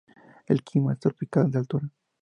El clima es tropical de altura.